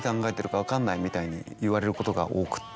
みたいに言われることが多くって。